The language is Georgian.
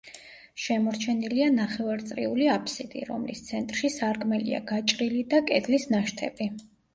შემორჩენილია ნახევარწრიული აფსიდი, რომლის ცენტრში სარკმელია გაჭრილი და კედლის ნაშთები.